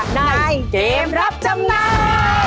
ในเกมรับจำนำ